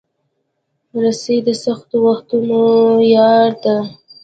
رسۍ د سختو وختونو یار ده.